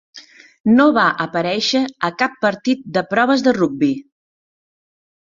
No va aparèixer a cap partit de proves de rugbi.